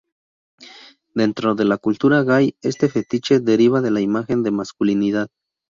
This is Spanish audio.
Dentro de la cultura gay, este fetiche deriva de la imagen de masculinidad.